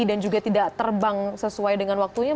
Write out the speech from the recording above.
dan juga tidak terbang sesuai dengan waktunya